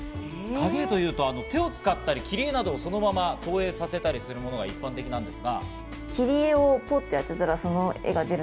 影絵というと手を使ったり、切り絵などをそのまま投影させたりするものが一般的なんですが。